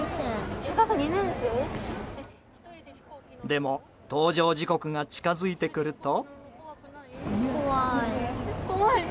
でも搭乗時刻が近づいてくると。